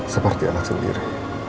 seperti anak sendiri